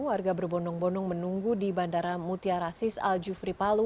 warga berbondong bondong menunggu di bandara mutiara sis al jufri palu